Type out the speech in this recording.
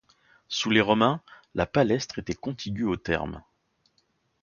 Sous les Romains, la palestre était contiguë aux thermes.